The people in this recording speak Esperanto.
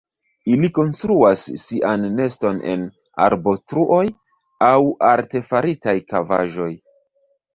Ili konstruas sian neston en arbotruoj aŭ artefaritaj kavaĵoj.